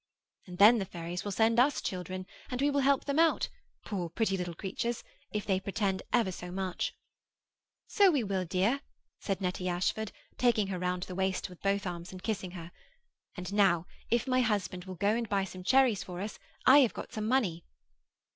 And then the fairies will send us children, and we will help them out, poor pretty little creatures, if they pretend ever so much.' 'So we will, dear,' said Nettie Ashford, taking her round the waist with both arms and kissing her. 'And now if my husband will go and buy some cherries for us, I have got some money.